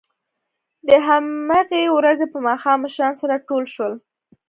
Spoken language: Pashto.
د همهغې ورځې په ماښام مشران سره ټول شول